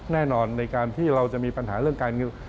ในการที่เราจะมีปัญหาเรื่องการเงิน